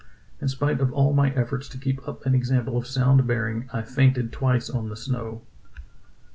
In spite of all my efforts to keep up an example of sound bearing, I fainted twice on the snow.